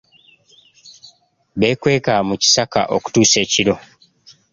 Beekweka mu kisaka okutuusa ekiro.